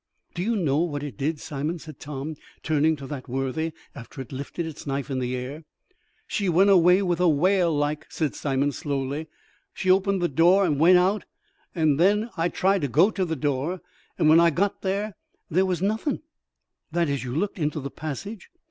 "Do you know what it did, Simon," said Tom, turning to that worthy, "after it lifted its knife in the air?" "She went away with a wail like," said Simon, slowly; "she opened the door and went out. An' then I tried to go to the door, and when I got there, there was nothin'." "That is, you looked into the passage?"